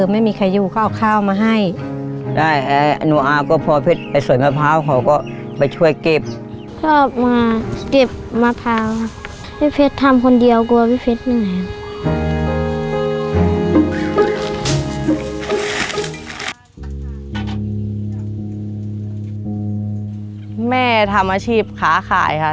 แม่ทำอาชีพขาขายค่ะ